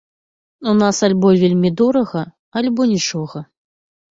У нас альбо вельмі дорага, альбо нічога.